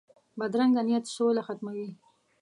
بدرنګه نیت سوله ختموي